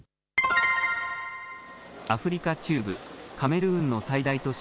アフリカ中部カメルーンの最大都市